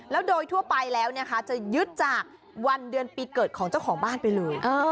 แล้วโดยทั่วไปแล้วจะยึดจากวันเดือนปีเกิดของเจ้าของบ้านไปเลย